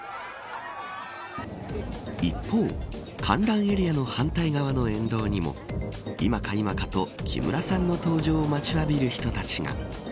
一方、観覧エリアの反対側の沿道にも今か今かと、木村さんの登場を待ちわびる人たちが。